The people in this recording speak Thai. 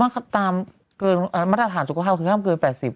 มันประธานสุขภาพคือทำให้ละ๘๐